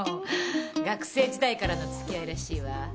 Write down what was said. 学生時代からのつきあいらしいわ。